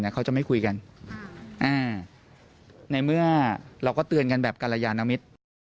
เขาจะไม่คุยกันในเมื่อเราก็เตือนกันแบบกรยานมิตร